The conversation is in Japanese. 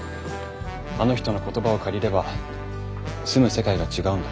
あの人の言葉を借りれば住む世界が違うんだ。